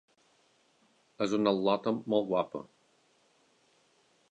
És una al•lota molt guapa